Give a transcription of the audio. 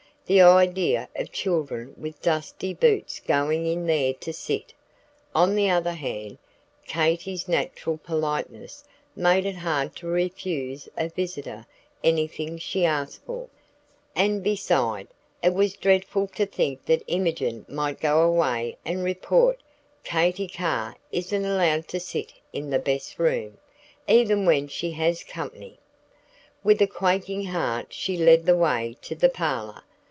The idea of children with dusty boots going in there to sit! On the other hand, Katy's natural politeness made it hard to refuse a visitor anything she asked for. And beside, it was dreadful to think that Imogen might go away and report "Katy Carr isn't allowed to sit in the best room, even when she has company!" With a quaking heart she led the way to the parlor.